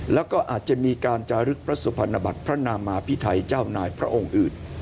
แล้วก็อาจจะมีการจารึกพระสุพรรณบัตรพระนามาพิไทยเจ้านายพระองค์อื่น